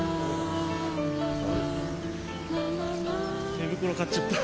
寝袋買っちゃった。